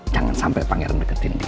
jangan sampai pangeran deketin